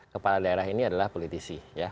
kepala daerah ini adalah politisi